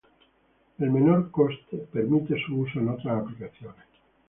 El menor costo permite su uso en otras aplicaciones.